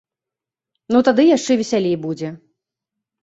Ну тады яшчэ весялей будзе.